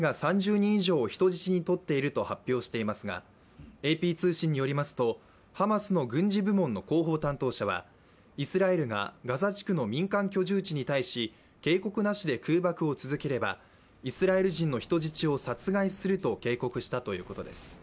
人以上人質に取っていると発表していますが、ＡＰ通信によりますとハマスの軍事部門の広報担当者はイスラエルがガザ地区の民間居住地に対し警告なしで空爆を続ければイスラエル人の人質を殺害すると警告したということです。